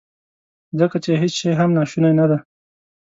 ځکه چې هیڅ شی هم ناشونی ندی.